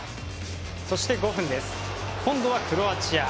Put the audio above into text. そして、５分、今度はクロアチア。